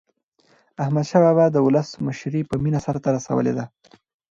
احمدشاه بابا د ولس مشري په مینه سرته رسولې ده.